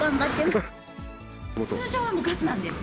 通常はガスなんです。